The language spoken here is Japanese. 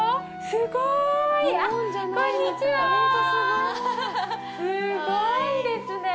すごいですね。